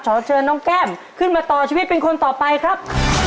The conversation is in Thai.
ขอเชิญน้องแก้มขึ้นมาต่อชีวิตเป็นคนต่อไปครับ